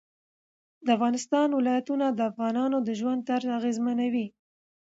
د افغانستان ولايتونه د افغانانو د ژوند طرز اغېزمنوي.